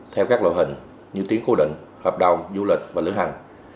theo các loại hình như tiếng cố định hợp đồng du lịch và lựa hành